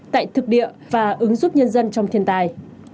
tại thực địa và ứng giúp nhân dân trong thiên tài